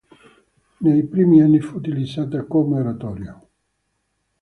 Nei primi anni fu utilizzata come oratorio.